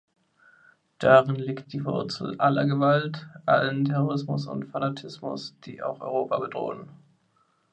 Darin liegt die Wurzel aller Gewalt, allen Terrorismus und Fanatismus, die auch Europa bedrohen.